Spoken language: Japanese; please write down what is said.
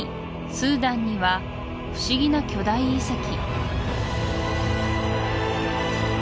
スーダンには不思議な巨大遺跡